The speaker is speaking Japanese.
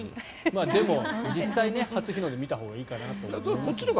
でも、実際に初日の出を見たほうがいいかなと思いますが。